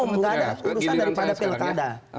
urusan daripada pepilkada